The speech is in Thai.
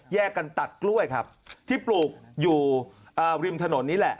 แยกกันตัดกล้วยครับที่ปลูกอยู่ริมถนนนี่แหละ